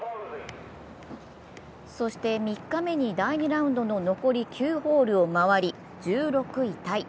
そして３日目に第２ラウンドの残り９ホールを周り１６位タイ。